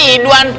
pak sri iduan